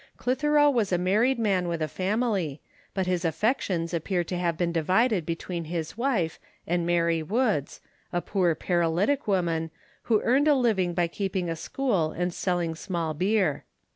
Clitheroe was a married man with a family, but his affections appear to have been divided between his wife and Mary Woods, a poor paralytic woman, who earned a living by keeping a school and selling small beer.